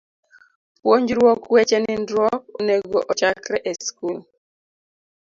Puonjruok weche nindruok onego ochakre e skul.